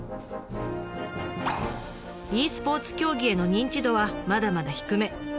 ｅスポーツ競技への認知度はまだまだ低め。